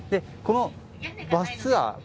このバスツアー